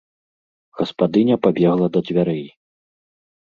Гаспадыня пабегла да дзвярэй.